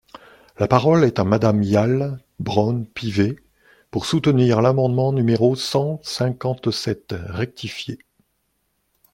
La parole est à Madame Yaël Braun-Pivet, pour soutenir l’amendement numéro cent cinquante-sept rectifié.